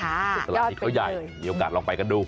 ตลาดนี้เขาใหญ่มีโอกาสเราไปกันดู